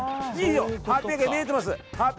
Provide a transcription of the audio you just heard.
８００円見えてます。